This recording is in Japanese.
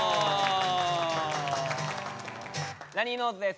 ラニーノーズです。